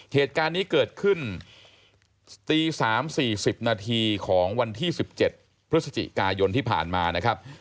เหตุการณ์นี้เกิดขึ้นตี๓๔๐นาทีของวันที่๑๗พฤศจิกายนที่ผ่านมานะครับ